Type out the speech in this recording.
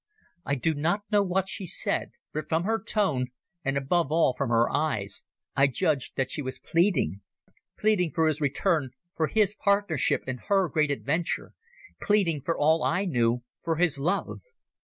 I do not know what she said, but from her tone, and above all from her eyes, I judged that she was pleading—pleading for his return, for his partnership in her great adventure; pleading, for all I knew, for his love.